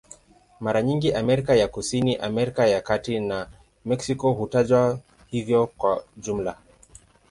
Mara nyingi Amerika ya Kusini, Amerika ya Kati na Meksiko hutajwa hivyo kwa jumla.